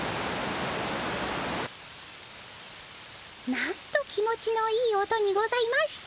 なんと気持ちのいい音にございましょう。